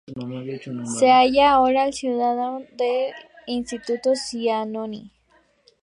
Se halla ahora al cuidado del Instituto Smithsoniano.